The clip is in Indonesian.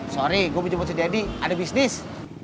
sorry gue mau jemput si daddy ada bisnis